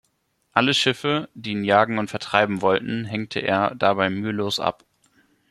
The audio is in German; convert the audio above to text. Alle Schiffe, die ihn jagen und vertreiben wollten, hängte er dabei mühelos ab.